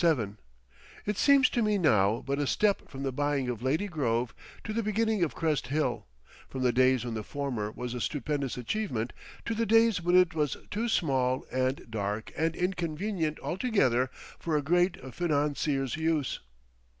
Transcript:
VII It seems to me now but a step from the buying of Lady Grove to the beginning of Crest Hill, from the days when the former was a stupendous achievement to the days when it was too small and dark and inconvenient altogether for a great financier's use.